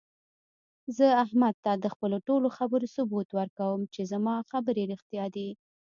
زه احمد ته د خپلو ټولو خبرو ثبوت ورکوم، چې زما خبرې رښتیا دي.